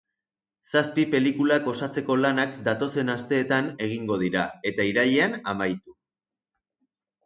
Zazpi pelikulak osatzeko lanak datozen asteetan egingo dira, eta irailean amaitu.